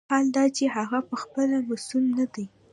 حال دا چې هغه پخپله مسوول نه دی.